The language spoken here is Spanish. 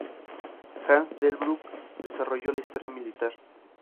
Hans Delbrück desarrolló la historia militar.